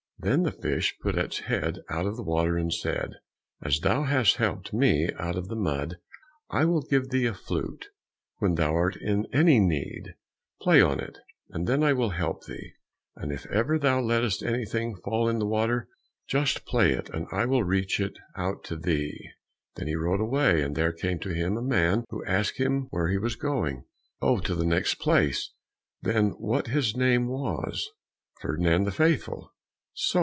Then the fish put its head out of the water and said, "As thou hast helped me out of the mud I will give thee a flute; when thou art in any need, play on it, and then I will help thee, and if ever thou lettest anything fall in the water, just play and I will reach it out to thee." Then he rode away, and there came to him a man who asked him where he was going. "Oh, to the next place." Then what his name was? "Ferdinand the Faithful." "So!